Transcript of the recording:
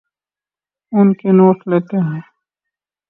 ان کے نوٹ لیتے ہیں